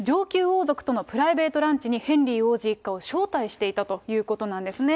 ただ、この２日前に実は女王が、上級王族とのプライベートランチにヘンリー王子一家を招待していたということなんですね。